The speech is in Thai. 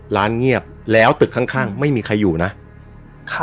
ร้านเงียบแล้วตึกข้างไม่มีใครอยู่นะครับ